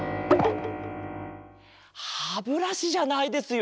ハブラシじゃないですよ。